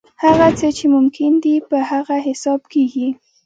هغه څه چې ممکن دي پر هغه حساب کېږي.